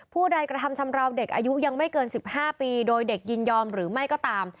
ผู้ใดกระทำชำราวเด็กอายุยังไม่เกิน๑๕ปีโดยเด็กยินยอมหรือไม่ก็ตาม